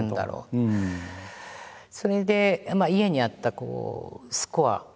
それで家にあったスコアを。